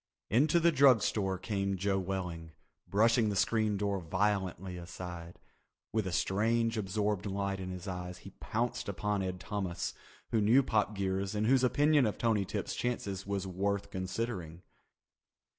Into the drug store came Joe Welling, brushing the screen door violently aside. With a strange absorbed light in his eyes he pounced upon Ed Thomas, he who knew Pop Geers and whose opinion of Tony Tip's chances was worth considering.